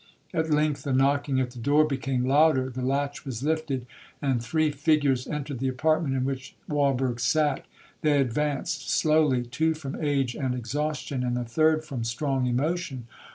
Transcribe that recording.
At length the knocking at the door became louder,—the latch was lifted,—and three figures entered the apartment in which Walberg sat. They advanced slowly,—two from age and exhaustion,—and the third from strong emotion.